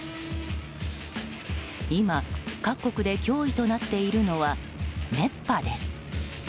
今、各国で脅威となっているのは熱波です。